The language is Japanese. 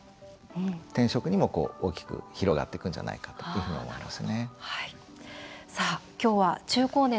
転職にも大きく広がっていくんじゃないかと思います。